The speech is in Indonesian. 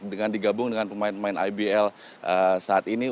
dengan digabung dengan pemain pemain ibl saat ini